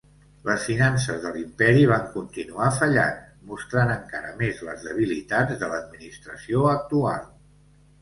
Les finances de l'imperi van continuar fallant, mostrant encara més les debilitats de l'administració actual.